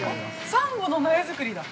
◆サンゴの苗作りだ。